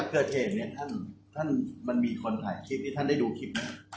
ถ้าเกิดเหตุเนี้ยท่านท่านมันมีคนถ่ายคลิปที่ท่านได้ดูคลิปเนี้ย